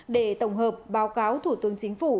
để tổng hợp báo cáo thủ tướng chính phủ